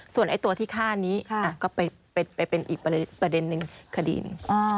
ส่วนตัวที่ฆ่านี้ก็เป็นอีกประเด็นหนึ่งคดีนี้